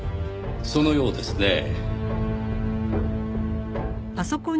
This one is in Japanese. そのようですねぇ。